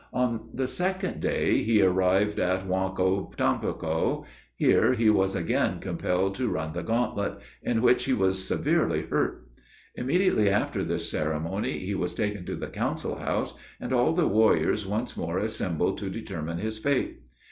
On the second day he arrived at Waughcotomoco. Here he was again compelled to run the gauntlet, in which he was severely hurt. Immediately after this ceremony, he was taken to the council house, and all the warriors once more assembled to determine his fate.